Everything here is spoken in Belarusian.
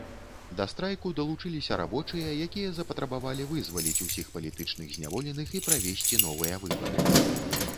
Да страйку далучыліся рабочыя, якія запатрабавалі вызваліць усіх палітычных зняволеных і правесці новыя выбары.